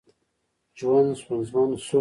ژوند ستونزمن شو.